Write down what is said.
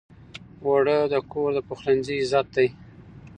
اوړه د کور د پخلنځي عزت دی